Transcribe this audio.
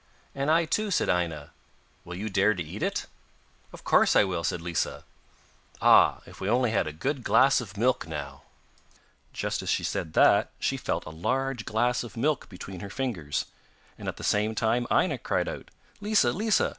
'And I, too,' said Aina. 'Will you dare to eat it?' 'Of course I will,' said Lisa. 'Ah, if we only had a good glass of milk now!' Just as she said that she felt a large glass of milk between her fingers, and at the same time Aina cried out, 'Lisa! Lisa!